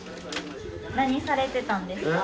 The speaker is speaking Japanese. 何されてたんですか？